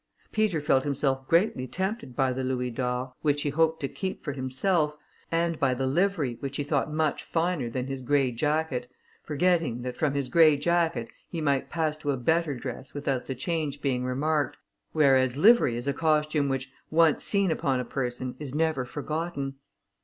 Peter felt himself greatly tempted by the louis d'or, which he hoped to keep for himself, and by the livery, which he thought much finer than his grey jacket, forgetting, that from his grey jacket he might pass to a better dress without the change being remarked, whereas livery is a costume which once seen upon a person is never forgotten.